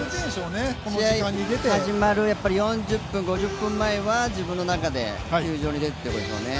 試合始まる４０分、５０分前は球場に出てということでしょうね。